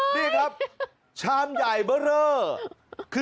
นี่ครับชามใหญ่เบอร์เรอ